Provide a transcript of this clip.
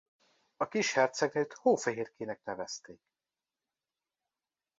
A kis hercegnőt Hófehérkének nevezték.